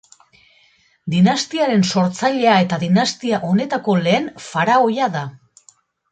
Dinastiaren sortzailea eta dinastia honetako lehen faraoia da.